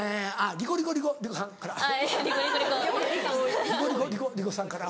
リコリコリコ莉子さんから。